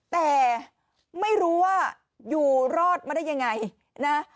แต่ไม่รู้ว่าอยู่รอดมาได้ยังไงนะ